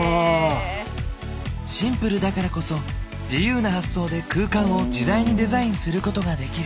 シンプルだからこそ自由な発想で空間を自在にデザインすることができる。